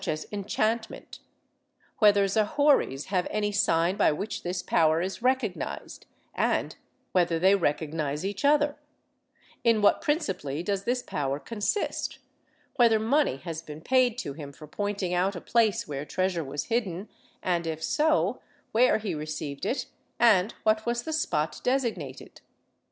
VIII] PUNISHMENT 197 enchantment ; whether Zahories have any sign by which this power is recognized, and whether they recognize each other; in what principally does this power consist; w^hether money has been paid to him for pointing out a place where treasure was hidden and, if so, where he received it and w^hat was the spot designated.